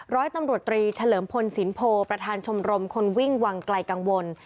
ร้อยตำรวจตรีเฉลิมพลสินโพประธานชมรมคนวิ่งวังไกลกังวล